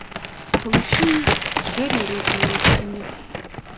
Коли чую, двері рипнули в сінях.